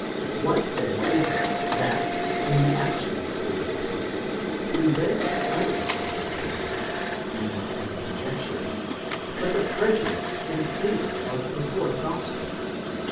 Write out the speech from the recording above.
What then is it that, in the actual state of the case, prevents the utterance of this opinion, even as a conjecture, but the prejudice in favour of the fourth gospel?